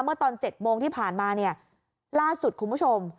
เมื่อตอน๗โมงที่ผ่านมาเนี่ยล่าสุดคุณผู้ชม